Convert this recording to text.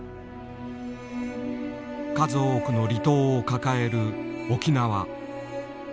数多くの離島を抱える沖縄。